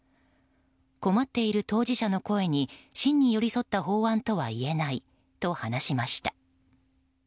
困っている当事者の声に真に寄り添った法案とはいえないと話しました。